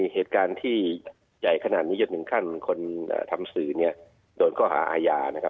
เหตุการณ์ที่ใหญ่ขนาดนี้ยกหนึ่งขั้นคนทำสือโดนเข้าหาอาญา